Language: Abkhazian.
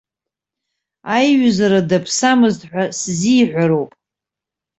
Аиҩызара даԥсамызт ҳәа сзиҳәароуп.